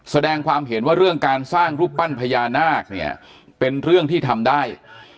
แสดงความเห็นว่าเรื่องการสร้างรูปปั้นพญานาคเนี่ยเป็นเรื่องที่ทำได้